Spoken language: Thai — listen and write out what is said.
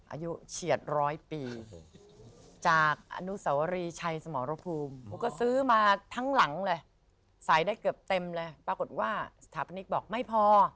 อายุเฉียดร้อยปีจากอนุสวรีชัยสมรภูมิก็ซื้อมาทั้งหลังเลยใส่ได้เกือบเต็มเลยปรากฏว่าสถาปนิกบอกไม่พอ